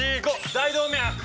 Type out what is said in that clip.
「大動脈」！